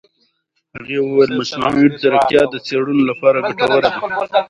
هغې وویل مصنوعي ځیرکتیا د څېړنو لپاره ګټوره ده.